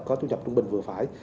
có thu nhập trung bình vừa phải